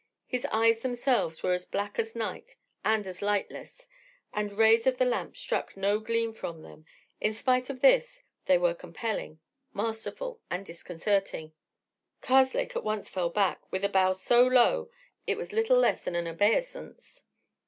The eyes themselves were as black as night and as lightless; the rays of the lamp struck no gleam from them; in spite of this they were compelling, masterful, and disconcerting. Karslake at once fell back, with a bow so low it was little less than an obeisance.